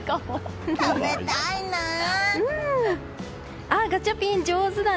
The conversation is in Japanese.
食べたいな！